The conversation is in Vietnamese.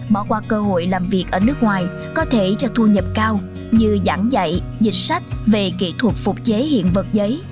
bỏ qua cơ hội làm việc ở nước ngoài có thể cho thu nhập cao như giảng dạy dịch sách về kỹ thuật phục chế hiện vật giấy